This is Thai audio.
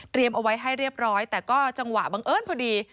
เอาไว้ให้เรียบร้อยแต่ก็จังหวะบังเอิญพอดี